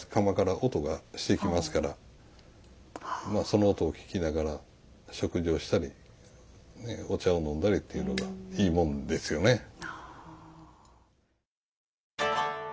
釜から音がしてきますからその音を聞きながら食事をしたりお茶を飲んだりっていうのがいいもんですよね。